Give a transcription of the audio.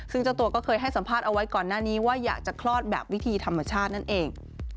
ซึ่งเจ้าตัวก็เคยให้สัมภาษณ์เอาไว้ก่อนหน้านี้ว่าอยากจะคลอดแบบวิธีธรรมชาตินั่นเอง